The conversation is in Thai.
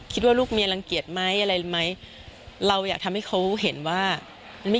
คิดว่าลูกเมียรังเกียจไหมอะไรไหม